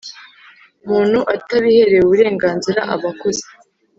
muntu atabiherewe uburenganzira aba akoze